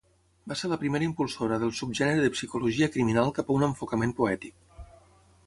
Va ser la primera impulsora del subgènere de psicologia criminal cap a un enfocament poètic.